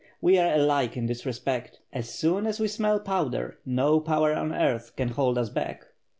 We are alike in this respect. As soon as we smell powder, no power on earth can hold us back.